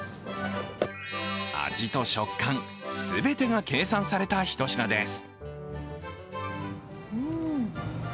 味と食感、全てが計算された一品です。